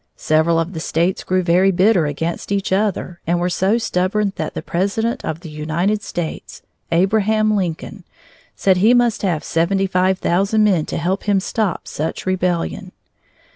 Several of the States grew very bitter against each other and were so stubborn that the President of the United States, Abraham Lincoln, said he must have seventy five thousand men to help him stop such rebellion.